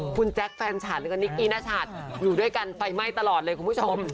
คุณแจ๊คแฟนชาติกับนิกอีนชาติอยู่ด้วยกันไฟไหม้ตลอดเลยคุณผู้ชม